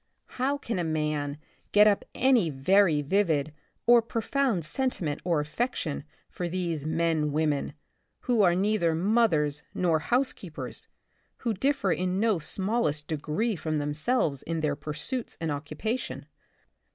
How can a man get up any very vivid or profound sentiment or affection for these men women — who are neither mothers nor housekeepers, who differ in no smallest degree from themselves in their pursuits and occupation